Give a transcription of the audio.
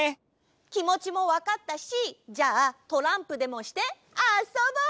きもちもわかったしじゃあトランプでもしてあそぼう！